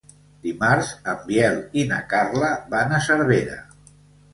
Dimarts en Biel i na Carla van a Cervera.